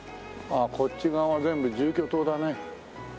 ああこっち側は全部住居棟だね。